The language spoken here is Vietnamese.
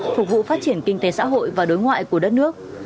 phục vụ phát triển kinh tế xã hội và đối ngoại của đất nước